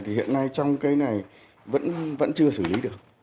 thì hiện nay trong cái này vẫn chưa xử lý được